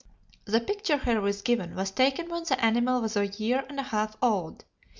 The picture herewith given was taken when the animal was a year and a half old.